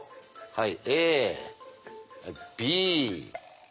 はい。